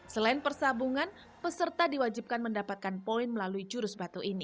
selain persabungan peserta diwajibkan mendapatkan poin melalui jurus batu ini